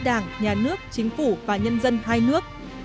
đảng nhà nước chính phủ và nhân dân hai nước